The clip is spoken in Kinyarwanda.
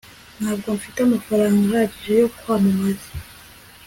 ntabwo mfite amafaranga ahagije yo kwamamaza